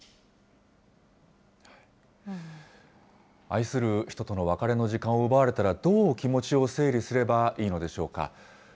愛する人との別れの時間を奪われたら、どう気持ちを整理すればいいのでしょうか。